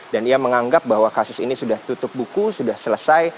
dan ia menganggap bahwa kasus ini sudah tutup buku sudah selesai